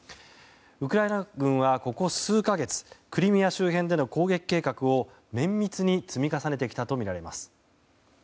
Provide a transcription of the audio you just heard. ウクライナ軍はここ数か月クリミア周辺への攻撃計画を綿密に積み重ねてきたとみられます。